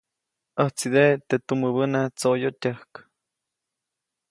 ʼÄjtsideʼe teʼ tumäbäna tsoʼyotyäjk.